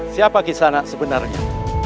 siapa kisana sebenarnya